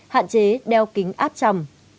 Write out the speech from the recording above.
hạn chế đeo kính áp trầm